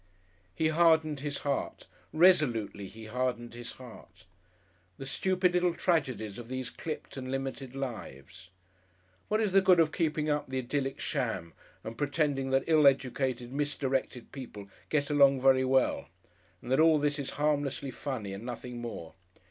He hardened his heart; resolutely he hardened his heart. The stupid little tragedies of these clipped and limited lives! What is the good of keeping up the idyllic sham and pretending that ill educated, misdirected people "get along very well," and that all this is harmlessly funny and nothing more?